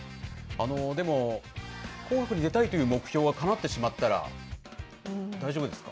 でも、紅白に出たいという目標がかなってしまったら、大丈夫ですか？